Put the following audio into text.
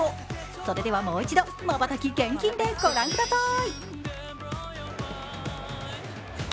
それでは、もう一度、まばたき厳禁でご覧ください。